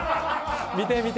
「見て見て！